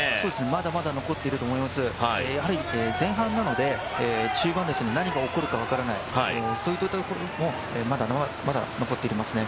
まだまだ残っていると思います、やはり前半なので中盤、何が起こるか分からない、そういったところも、まだ残っていますね。